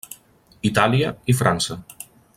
Itàlia i França.